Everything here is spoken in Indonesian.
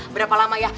berapa lama ya